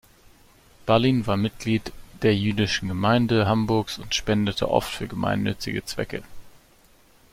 Ballin war Mitglied der jüdischen Gemeinde Hamburgs und spendete oft für gemeinnützige Zwecke.